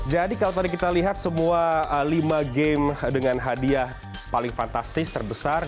jadi kalau tadi kita lihat semua lima game dengan hadiah paling fantastis terbesar